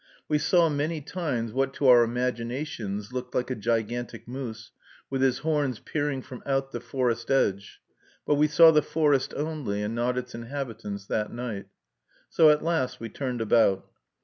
We saw, many times, what to our imaginations looked like a gigantic moose, with his horns peering from out the forest edge; but we saw the forest only, and not its inhabitants, that night. So at last we turned about.